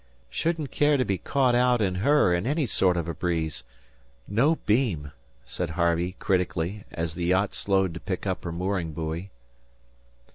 "Shouldn't care to be caught out in her in any sort of a breeze. No beam," said Harvey, critically, as the yacht slowed to pick up her mooring buoy.